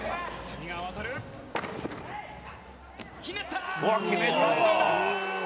ひねった。